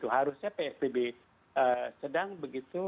harusnya psbb sedang begitu